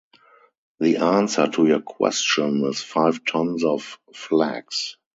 The answer to your question is five tons of flax!